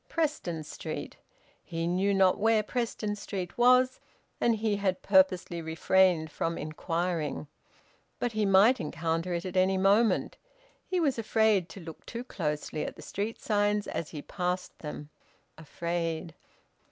Preston Street! He knew not where Preston Street was, and he had purposely refrained from inquiring. But he might encounter it at any moment. He was afraid to look too closely at the street signs as he passed them; afraid!